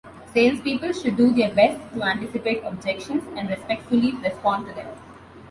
Salespeople should do their best to anticipate objections and respectfully respond to them.